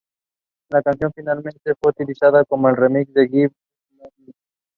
She spent her childhood on the cliffs and beaches of the Lower Jurassic.